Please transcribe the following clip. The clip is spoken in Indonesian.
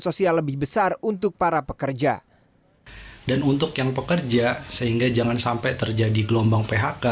sosial lebih besar untuk para pekerja dan untuk yang pekerja sehingga jangan sampai terjadi gelombang phk